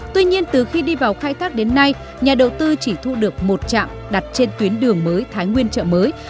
tuy nhiên từ khi đi vào khai thác đến nay nhà đầu tư chỉ thu được một trạm đặt trên tuyến đường mới thái nguyên chợ mới